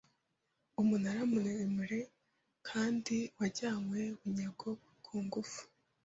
Umunara muremure kandi wajyanywe bunyago ku ngufu